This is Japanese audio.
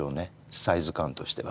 サイズ感としては。